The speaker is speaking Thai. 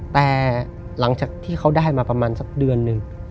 แต่หลังจากที่เขาได้มาประมาณสักเดือนหนึ่ง